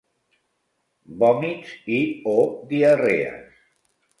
Vòmits i o diarrees.